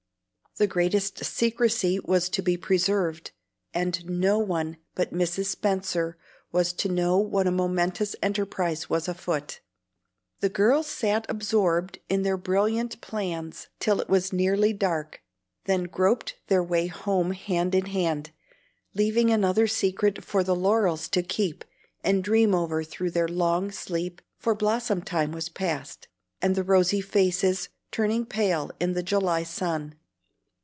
The greatest secrecy was to be preserved, and no one but Mrs. Spenser was to know what a momentous enterprise was afoot. The girls sat absorbed in their brilliant plans till it was nearly dark, then groped their way home hand in hand, leaving another secret for the laurels to keep and dream over through their long sleep, for blossom time was past, and the rosy faces turning pale in the July sun.